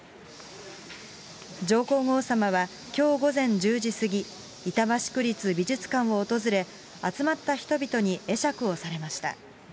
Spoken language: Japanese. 上皇后さまはきょう午前１０時過ぎ、板橋区立美術館を訪れ、集まった人々に会釈をされました。